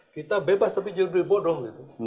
kita bebas tapi jauh lebih bodoh gitu